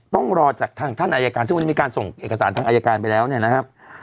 ต้องรอจากทางท่านอายการซึ่งวันนี้มีการส่งเอกสารทางอายการไปแล้วเนี่ยนะครับ